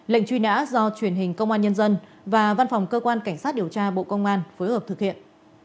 lệnh truy nã do truyền hình công an nhân dân và văn phòng cơ quan cảnh sát điều tra bộ công an phối hợp thực hiện